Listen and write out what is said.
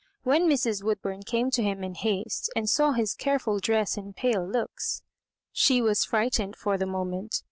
When Mrs. Woodbum came to him in haste, and saw his careful dress and pale looks, she was frightened for the moment.